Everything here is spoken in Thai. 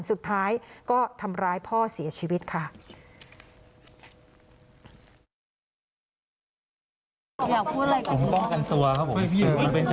สุดท้ายก็ทำร้ายพ่อเสียชีวิตค่ะ